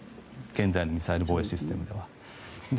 現在のミサイル防衛システムでは。